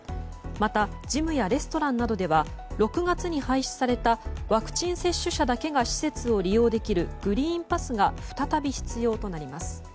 また、ジムやレストランなどでは６月に廃止されたワクチン接種者だけが施設を利用できるグリーンパスが再び必要となります。